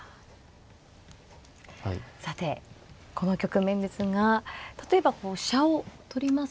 さてこの局面ですが例えばこう飛車を取りますと。